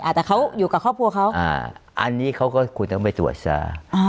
แต่เขาอยู่กับครอบครัวเขาอันนี้เขาก็ควรต้องไปตรวจซา